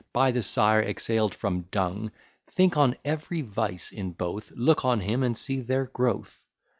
By the sire exhaled from dung: Think on every vice in both, Look on him, and see their growth.